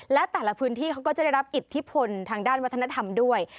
และแต่ละพื้นที่เขาก็จะได้รับอิทธิพลทางด้านวัฒนธรรมด้วย